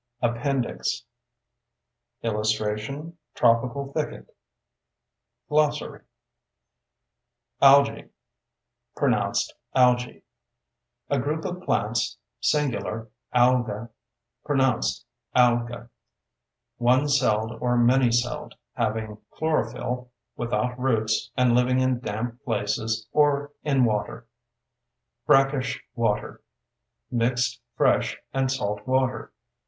Appendix [Illustration: Tropical thicket] Glossary ALGAE: (pronounced "AL jee") A group of plants (singular: ALGA, pronounced "AL ga"), one celled or many celled, having chlorophyll, without roots, and living in damp places or in water. BRACKISH WATER: Mixed fresh and salt water.